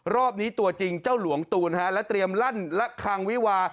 รอบนี้ตัวจริงเจ้าหลวงตูนและเตรียมลั่นละคังวิวา